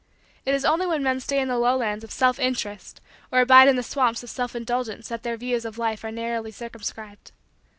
It is only when men stay in the lowlands of self interest or abide in the swamps of self indulgence that their views of life are narrowly circumscribed.